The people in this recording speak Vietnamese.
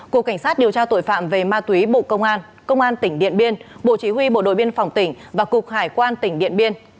cục cảnh sát điều tra tội phạm về ma túy bộ công an công an tỉnh điện biên bộ chỉ huy bộ đội biên phòng tỉnh và cục hải quan tỉnh điện biên